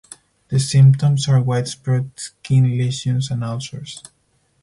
The symptoms are widespread skin lesions and ulcers.